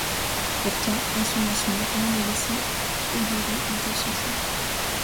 Pourtant à son lancement, rien ne laissait augurer un tel succès.